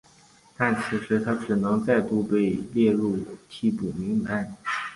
但此时他只能再度被列入替补名单。